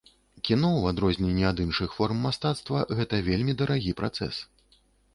Кіно, у адрозненні ад іншых форм мастацтва, гэта вельмі дарагі працэс.